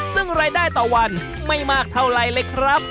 ซึ่งรายได้ต่อวันไม่มากเท่าไรเลยครับ